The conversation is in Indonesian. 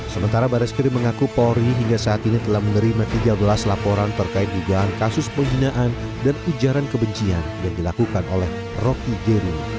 sementara baris krim mengaku polri hingga saat ini telah menerima tiga belas laporan terkait dugaan kasus penghinaan dan ujaran kebencian yang dilakukan oleh rocky gerung